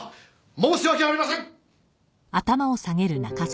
申し訳ありません。